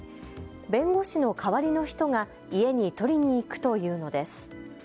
弁護士の代わりの人が家に取りに行くと言うのです。